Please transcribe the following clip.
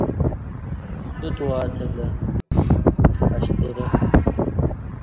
سوت او ا څلہ اشترہ